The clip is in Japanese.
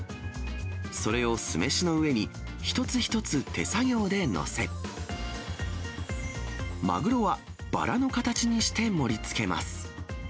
それを酢飯の上に一つ一つ手作業で載せ、マグロはバラの形にして盛りつけます。